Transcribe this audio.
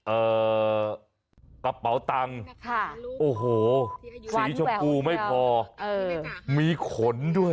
เอ่อกระเป๋าตังโอ้โหสีช็อคกู้ไม่พอมีขนด้วย